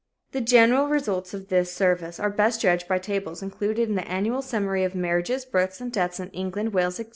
The general results of this service are best judged by tables included in the _Annual Summary of Marriages, Births and Deaths in England, Wales, Etc.